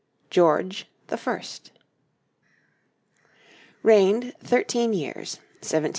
GEORGE THE FIRST Reigned thirteen years: 1714 1727.